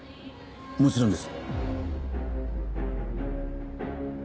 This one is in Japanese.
・もちろんです。